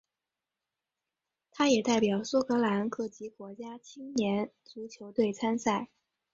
他也代表苏格兰各级国家青年足球队参赛。